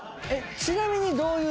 ちなみにどういう？